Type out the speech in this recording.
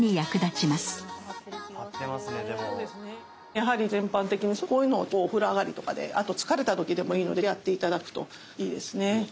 やはり全般的にこういうのをお風呂上がりとかであと疲れた時でもいいのでやって頂くといいですね。